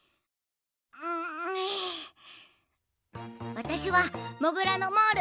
わたしはモグラのモール。